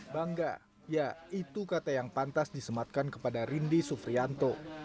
bangga ya itu kata yang pantas disematkan kepada rindy sufrianto